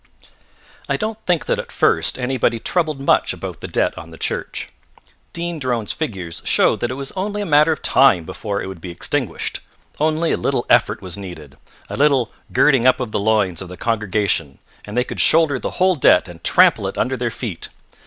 I don't think that at first anybody troubled much about the debt on the church. Dean Drone's figures showed that it was only a matter of time before it would be extinguished; only a little effort was needed, a little girding up of the loins of the congregation and they could shoulder the whole debt and trample it under their feet.